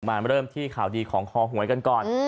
มาเริ่มที่ข่าวดีของคอหวยกันก่อน